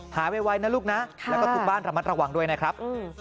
ไวนะลูกนะแล้วก็ทุกบ้านระมัดระวังด้วยนะครับ